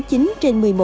là công trình ngầm